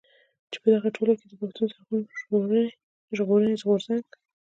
خو په دغه ټولګه کې د پښتون ژغورني غورځنګ.